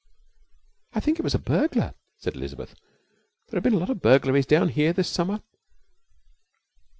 'I think it was a burglar,' said Elizabeth. 'There have been a lot of burglaries down here this summer.'